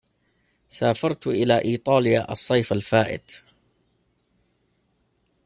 سافرت إلى إيطاليا الصيف الفائت.